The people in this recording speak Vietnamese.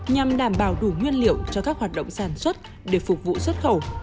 nhằm đảm bảo đủ nguyên liệu cho các hoạt động sản xuất để phục vụ xuất khẩu